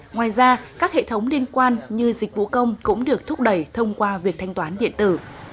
ngoài ra các hệ thống liên quan như dịch vụ công cũng được thúc đẩy thông qua việc thanh toán điện tử